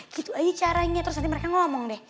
gitu aja caranya terus nanti mereka ngomong deh